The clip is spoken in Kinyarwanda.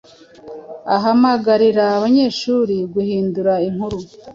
ahamagarira abanyeshuri guhindura inkuru